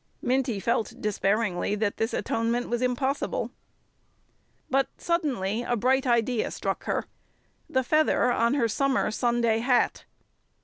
Minty felt, despairingly, that this atonement was impossible. But suddenly a bright idea struck her. The feather on her summer Sunday hat!